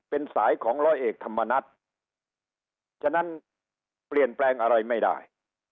เป็นสายของร้อยเอกธรรมนัฐฉะนั้นเปลี่ยนแปลงอะไรไม่ได้